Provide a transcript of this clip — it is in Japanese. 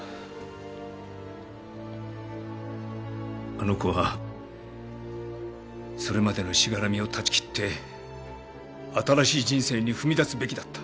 あの子はそれまでのしがらみを断ち切って新しい人生に踏み出すべきだった。